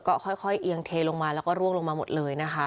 ก็ค่อยเอียงเทลงมาแล้วก็ร่วงลงมาหมดเลยนะคะ